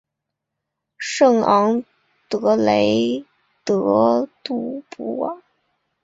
圣昂德雷德杜布尔。